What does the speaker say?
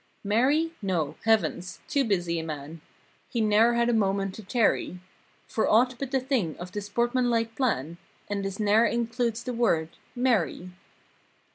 Marry? No. Heavens! Too busy a man He ne'er had a moment to tarry For aught but the thing of the sportsm(an like plan— And this ne'er includes the word, "marry."